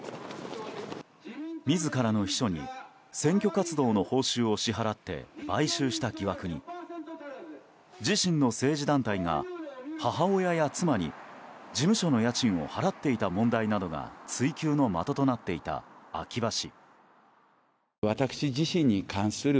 自らの秘書に選挙活動の報酬を支払って買収した疑惑に自身の政治団体が母親や妻に事務所の家賃を払っていた問題などが追及の的になっていた秋葉氏。